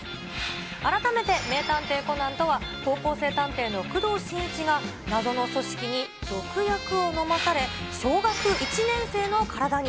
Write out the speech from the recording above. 改めて名探偵コナンとは、高校生探偵の工藤新一が、謎の組織に毒薬を飲まされ、小学１年生の体に。